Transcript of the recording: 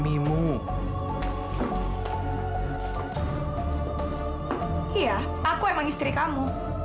iya aku emang istri kamu